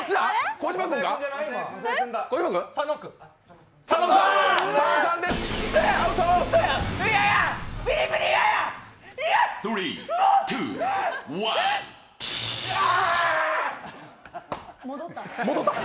小島君か？